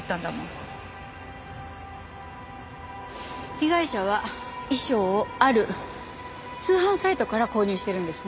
被害者は衣装をある通販サイトから購入してるんですね。